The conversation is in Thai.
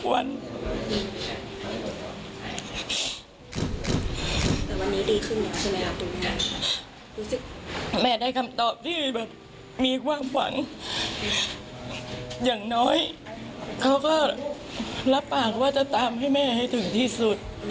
แต่วันนี้ดีขึ้นอยู่ใช่ไหมอะคุณแม่รู้สึกแม่ได้คำตอบที่แบบมีความหวังอย่างน้อยเขาก็รับปากว่าจะตามให้แม่ให้ถึงที่สุด